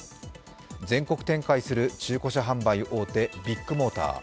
全国展開する中古車販売大手ビッグモーター。